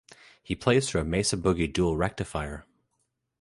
He plays through a Mesa boogie Dual Rectifier.